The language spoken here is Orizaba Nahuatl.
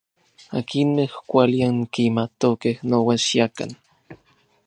Akinmej kuali ankimatokej, nouan xiakan.